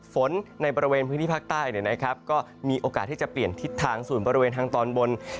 ในบริเวณพื้นที่ภาคใต้ก็มีโอกาสที่จะเปลี่ยนทิศทางส่วนบริเวณทางตอนบน